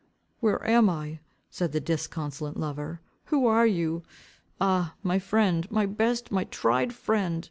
"Where am I?" said the disconsolate lover. "Who are you? ah, my friend, my best, my tried friend!